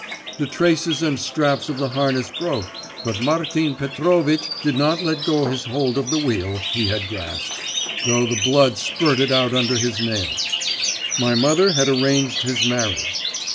The traces and straps of the harness broke, but Martin Petrovitch did not let go his hold of the wheel he had grasped, though the blood spurted out under his nails. My mother had arranged his marriage.